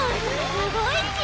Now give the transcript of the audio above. すごいち。